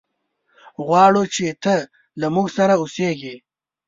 غواړو چې ته له موږ سره اوسېږي.